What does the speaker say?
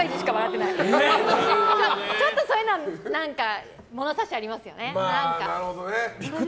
ちょっとそういうの何かものさしありますよね。